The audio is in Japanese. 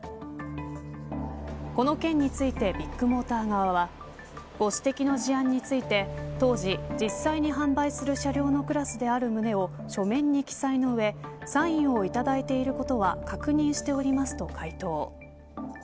この件についてビッグモーター側はご指摘の事案について当時、実際に販売する車両のクラスである旨を書面に記載の上サインを頂いていることは確認しておりますと回答。